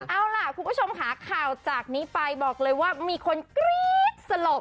เอาล่ะคุณผู้ชมค่ะข่าวจากนี้ไปบอกเลยว่ามีคนกรี๊ดสลบ